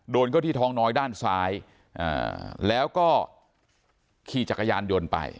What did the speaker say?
เข้าที่ท้องน้อยด้านซ้ายแล้วก็ขี่จักรยานยนต์ไป